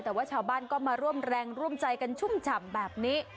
แต่ว่าชาวบ้านก็มาร่วมแรงร่วมใจกันชุ่มฉ่ำแบบนี้